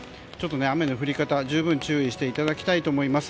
雨の降り方、十分注意していただきたいと思います。